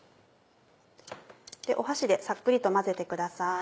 箸でさっくりと混ぜてください。